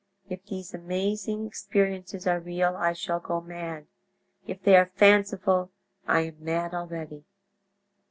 If these amazing experiences are real I shall go mad; if they are fanciful I am mad already.